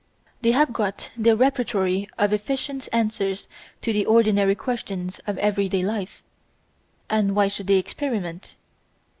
They have got their repertory of efficient answers to the ordinary questions of everyday life, and why should they experiment?